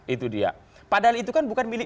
itu dia padahal itu kan bukan milik